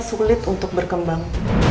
sulit untuk berkembang